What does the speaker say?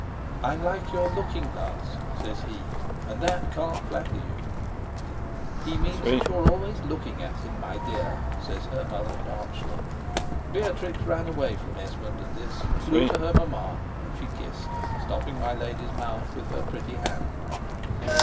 "I'm like your looking glass," says he, "and that can't flatter you." "He means that you are always looking at him, my dear," says her mother, archly. Beatrix ran away from Esmond at this, and flew to her mamma, whom she kissed, stopping my lady's mouth with her pretty hand.